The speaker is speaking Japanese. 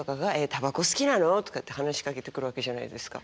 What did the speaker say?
タバコ好きなの？」とかって話しかけてくるわけじゃないですか。